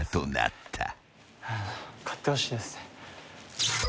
勝ってほしいですね。